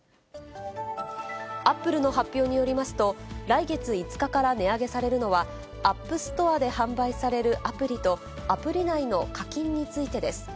アップルの発表によりますと、来月５日から値上げされるのは、ＡｐｐＳｔｏｒｅで販売されるアプリと、アプリ内の課金についてです。